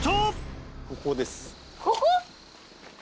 ここ？